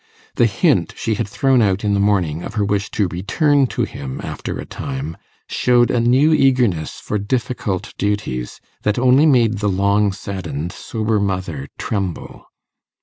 The hint she had thrown out in the morning of her wish to return to him after a time, showed a new eagerness for difficult duties, that only made the long saddened sober mother tremble.